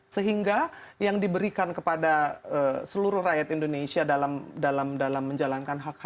sehingga yang diberikan kepada seluruh rakyat indonesia dalam menjalankan hak hak